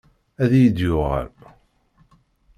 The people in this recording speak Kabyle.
Ad iyi-d-yuɣal.